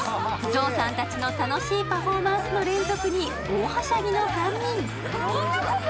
象さんたちの楽しいパフォーマンスの連続に大はしゃぎの３人。